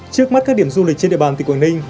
trước mắt các điểm du lịch trên địa bàn tỉnh quảng ninh